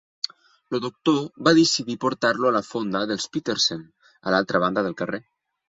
El doctor va decidir portar-lo a la fonda dels Petersen, a l'altra banda del carrer.